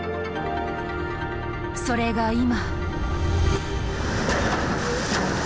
それが今！